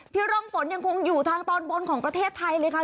ร่องฝนยังคงอยู่ทางตอนบนของประเทศไทยเลยค่ะ